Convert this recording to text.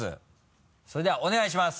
それではお願いします。